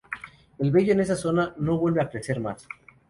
El vello en esa zona no vuelve a crecer más.